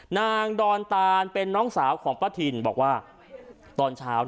นางดอนตานเป็นน้องสาวของป้าทินบอกว่าตอนเช้า